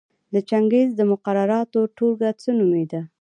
د چنګیز د مقرراتو ټولګه څه نومېده؟